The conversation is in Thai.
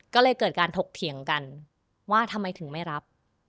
ก็เลยเกิดการถกเถียงกันว่าทำไมถึงไม่รับ